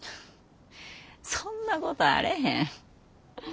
そんなことあれへん。